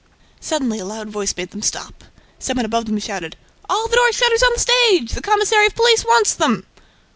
Suddenly, a loud voice made them stop. Some one above them shouted: "All the door shutters on the stage! The commissary of police wants them!"